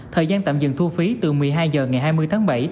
thời gian tạm dừng thu phí từ một mươi hai h ngày hai mươi tháng bảy